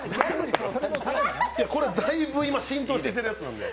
これ、だいぶ今、浸透してきてるやつなんで。